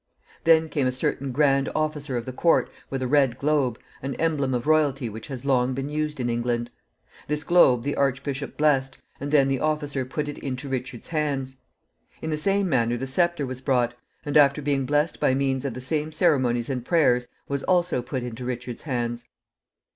Then came a certain grand officer of the court with a red globe, an emblem of royalty which has long been used in England. This globe the archbishop blessed, and then the officer put it into Richard's hands. In the same manner the sceptre was brought, and, after being blessed by means of the same ceremonies and prayers, was also put into Richard's hands.